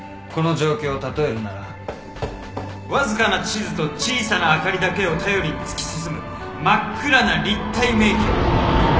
この状況を例えるならわずかな地図と小さな明かりだけを頼りに突き進む真っ暗な立体迷宮。